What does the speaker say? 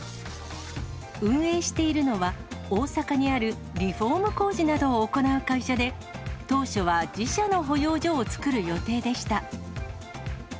運営しているのは、大阪にあるリフォーム工事などを行う会社で、当初は自社の保養所を作る予定でした。